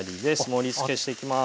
盛りつけしていきます。